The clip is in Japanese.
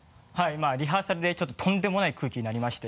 まぁリハーサルでちょっととんでもない空気になりまして。